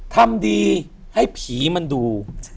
ทำดีให้ผีมันดู